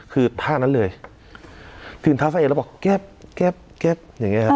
คือท่านั้นเลยถึงเท้าใส่เองแล้วบอกแก๊บแก๊บแก๊บอย่างเงี้ยครับ